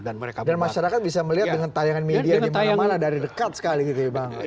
dan masyarakat bisa melihat dengan tayangan media dimana mana dari dekat sekali gitu bang